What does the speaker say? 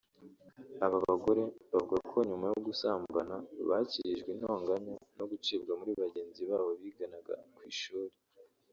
Aba bagore bavuga ko nyuma yo gusambana bacyirijwe intonganya no gucibwa muri bagenzi babo biganaga ku ishuri